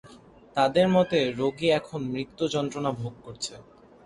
তাদের মতে, রোগী এখন মৃত্যু যন্ত্রণা ভোগ করছে।